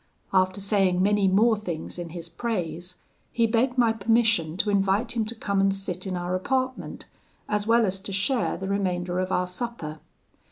After saying many more things in his praise, he begged my permission to invite him to come and sit in our apartment, as well as to share the remainder of our supper.